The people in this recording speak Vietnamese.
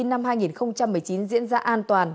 năm hai nghìn một mươi chín diễn ra an toàn